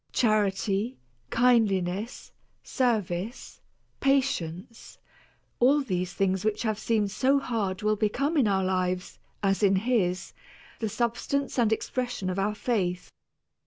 Charity, kindliness, service, patience, all these things which have seemed so hard will become in our lives, as in his, the substance and expression of our faith.